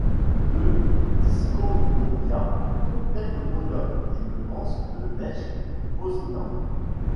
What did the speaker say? Le Dyskobolia complète le podium, et devance le Lech Poznań.